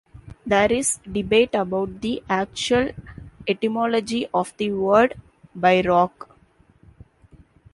There is debate about the actual etymology of the word "bierock".